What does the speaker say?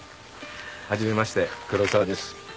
初めまして黒沢です。